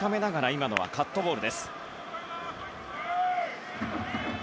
今のはカットボール。